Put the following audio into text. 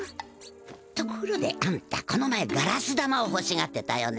ところであんたこの前ガラス玉をほしがってたよね。